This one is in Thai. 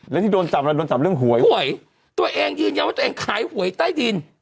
แล้วที่โดนจับแล้วโดนสำเรื่องหวยหวยตัวเองยืนยันว่าตัวเองขายหวยใต้ดิน